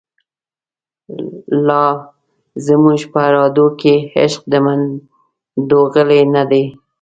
لازموږ په ارادوکی، عشق دمنډوغلی نه دی